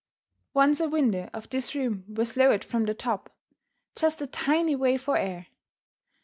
Once a window of this room was lowered from the top, just a tiny way for air.